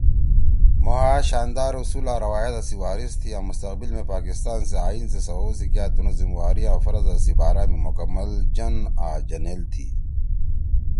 مھو ہأ شاندار اصول آں روایاتا سی وارِث تِھی آں مستقبل می پاکستان سی ائین سی سوؤ سی کیا تُنُو زمہ واری آں فرضا سی بارا میں مکّمل جن آن جنیل تھی“